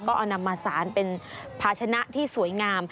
ก็เอานำมาสารเป็นภาชนะที่สวยงาม